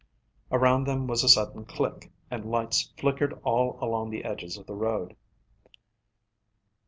Around them was a sudden click, and lights flickered all along the edges of the road.